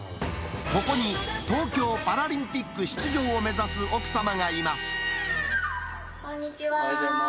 ここに東京パラリンピック出場を目指す奥様がいます。